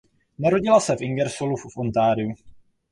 Narodila se v Ingersollu v Ontariu.